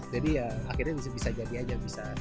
jadi ya akhirnya bisa jadi aja